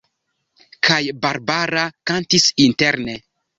Kaj Barbara kantis interne.